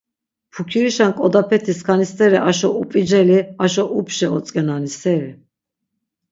Pukirişen k̆odapeti skani steri aşo up̌iceli, aşo upşe otzk̆enani seri?